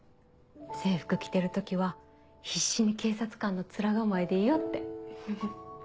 「制服着てる時は必死に警察官の面構えでいよう」って。